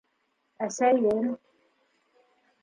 Әсәйем.